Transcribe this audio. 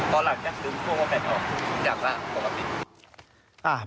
ตอนหลังแค่ซึ่งความว่าแปลกออกทุกอย่างแล้วต่อกลับไป